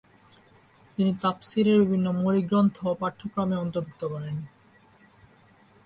তিনি তাফসীরের বিভিন্ন মৌলিক গ্রন্থ পাঠ্যক্রমে অন্তর্ভুক্ত করেন।